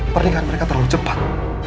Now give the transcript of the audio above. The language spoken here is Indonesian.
pernikahan mereka terlalu cepat